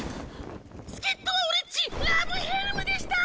助っ人は俺っちラブヘルムでした！